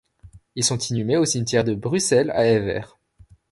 Ils sont inhumés au cimetière de Bruxelles à Evere.